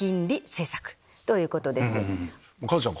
カズちゃん